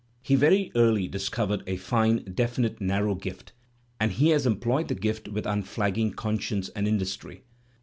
He very early discovered a fine, definite narrow gift, and he has employed the gift with imflagging conscience and industry.